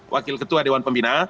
wakil ketua dewan pembina